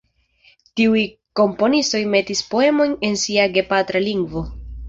Tiuj komponistoj metis poemojn en sia gepatra lingvo.